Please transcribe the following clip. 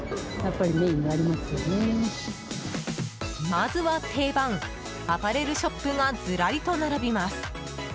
まずは定番アパレルショップがずらりと並びます。